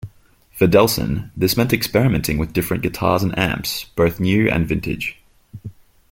For Delson, this meant experimenting with different guitars and amps, both new and vintage.